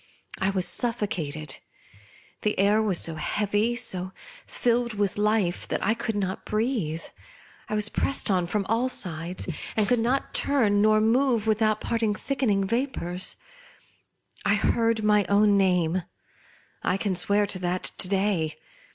I was suffocated. The air was so heavy, so fil led with life, that I could not breathe. I was pressed on from all sides, and could not turn nor move without parting thickening vapours. I heard my own name, I can swear to that to day